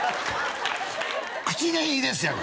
口でいいですやんか